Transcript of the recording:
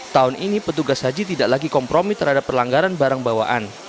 tahun ini petugas haji tidak lagi kompromi terhadap perlanggaran barang bawaan